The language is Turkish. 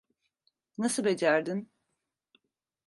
Nasıl becerdin?